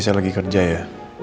saya lagi kerja ya